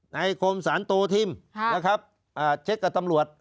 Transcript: คมสารโตทิมนะครับเช็คกับตำรวจ